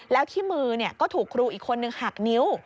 แล้วที่มือก็ถูกครูอีกคนนึงหักนิ้ว